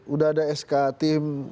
sudah ada sk tim